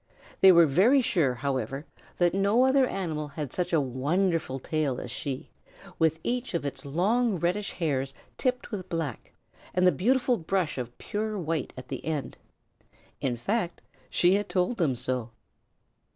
They were very sure, however, that no other animal had such a wonderful tail as she, with each of its long, reddish hairs tipped with black and the beautiful brush of pure white at the end. In fact, she had told them so.